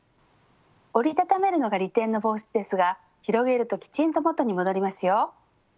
折りたためるのが利点の帽子ですが広げるときちんと元に戻りますよ。